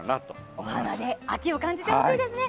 お花で秋を感じてほしいですね。